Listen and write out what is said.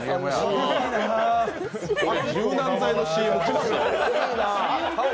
柔軟剤のＣＭ。